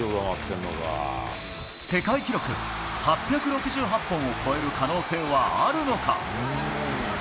世界記録８６８本を超える可能性はあるのか。